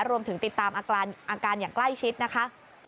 รวมถึงติดตามอาการอย่างใกล้ชิดนะคะ